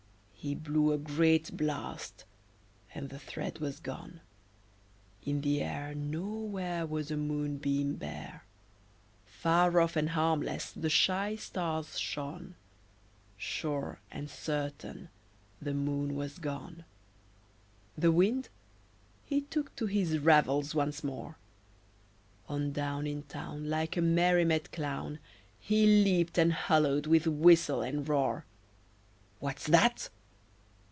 He blew a great blast, and the thread was gone; In the air Nowhere Was a moonbeam bare; Far off and harmless the shy stars shone; Sure and certain the Moon was gone. The Wind, he took to his revels once more; On down In town, Like a merry mad clown, He leaped and hallooed with whistle and roar, "What's that?"